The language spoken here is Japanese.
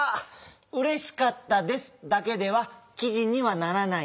「うれしかったです」だけではきじにはならないんで。